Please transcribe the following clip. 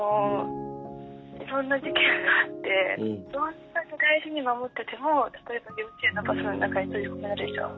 いろんな事件があってどんなに大事に守ってても例えば幼稚園のバスの中に閉じ込められちゃう。